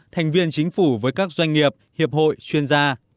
thành viên chính phủ với các doanh nghiệp hiệp hội chuyên gia